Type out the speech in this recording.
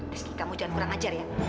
meski kamu jangan kurang ajar ya